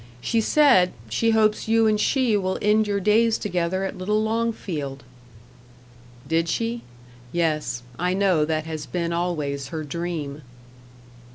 She said, she hopes you and she will end your days together at little Longfield." "Did she? Yes, I know that has been always her dream."